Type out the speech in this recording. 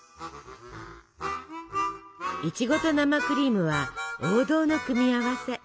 イチゴと生クリームは王道の組み合わせ。